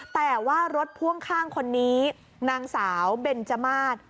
แต่ว่ารถพ่วงข้างคนนี้นางสาวเบนจมาส